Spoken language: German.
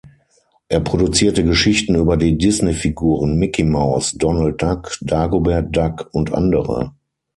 Er produzierte Geschichten über die Disney-Figuren Mickey Maus, Donald Duck, Dagobert Duck und andere.